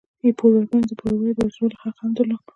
پور ورکوونکو د پوروړي د وژلو حق هم درلود.